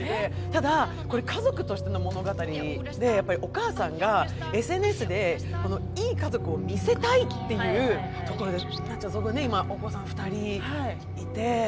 ただ、これ、家族としての物語で、お母さんがＳＮＳでいい家族を見せたいっていう、夏子さん、お子さん２人いて。